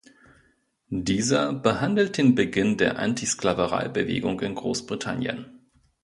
Dieser behandelt den Beginn der Antisklavereibewegung in Großbritannien.